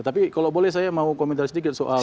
tapi kalau boleh saya mau komentar sedikit soal